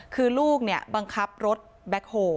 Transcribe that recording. คือลูกเนี่ยบังคับรถแบ็คโฮ